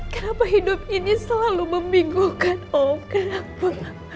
kenapa hidup ini selalu membingungkan om kenapa